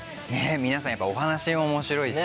皆さんやっぱお話が面白いし。